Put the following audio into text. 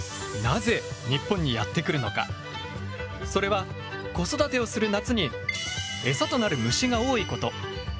それは子育てをする夏にエサとなる虫が多いこと。